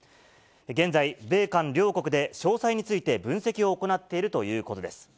現在、米韓両国で詳細について分析を行っているということです。